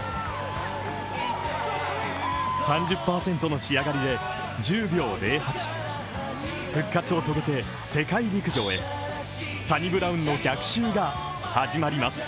３０％の仕上がりで１０秒０８復活を遂げて、世界陸上へサニブラウンの逆襲が始まります。